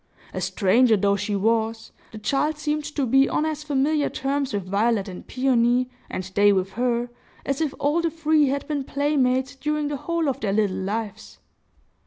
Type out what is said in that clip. A stranger though she was, the child seemed to be on as familiar terms with Violet and Peony, and they with her, as if all the three had been playmates during the whole of their little lives.